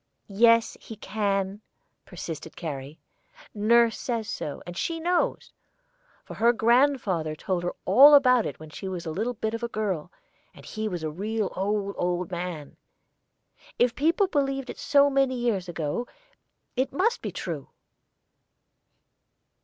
"Yes, he can," persisted Carrie. "Nurse says so, and she knows, for her grandfather told her all about it when she was a little bit of a girl, and he was a real old, old man. If people believed it so many years ago, it must be true."